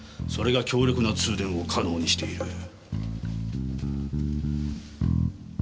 それが強力な通電を可能にしている。